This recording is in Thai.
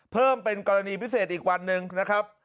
เพิ่มเป็นกรณีพิเศษอีกวันหนึ่งนะครับ